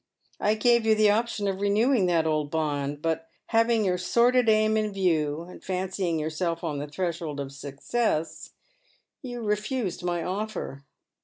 I gave you the option of renewing that old bond, but, having your sordid aim in view, and fancying yourself on the threshold of success, you refused my offer.